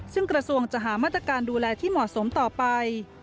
ซึ่งกระทรวงจะหามาตรการดูแลที่เหมาะสมต่อไป